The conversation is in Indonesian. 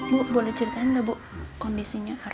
buk boleh ceritain gak bu kondisinya